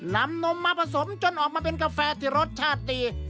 นำนมมาผสมจนออกมาเป็นกาแฟที่รสชาติดี